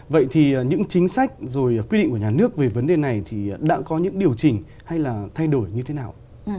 vậy thì những chính sách rồi quy định của nhà nước về vấn đề này thì đã có những điều chỉnh hay là thay đổi như thế nào